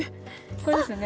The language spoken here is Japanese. これですね。